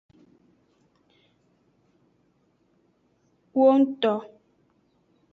Wongto.